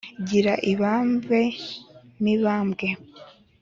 gira ibambe mibambwe